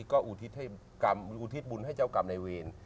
ก็อุทิศบุญให้เจ้ากรรมในเวร